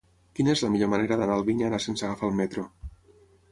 Quina és la millor manera d'anar a Albinyana sense agafar el metro?